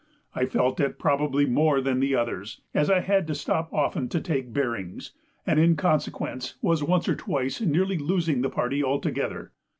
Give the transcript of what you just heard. I felt it probably more than the others, as I had to stop often to take bearings, and in consequence was once or twice nearly losing the party altogether.